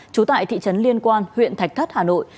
trú tại thị trấn liên quan huyện thạch thất hà nội